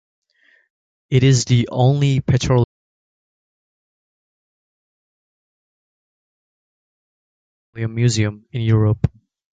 It is the only petroleum museum in Europe.